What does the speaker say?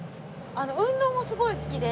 運動もすごい好きで。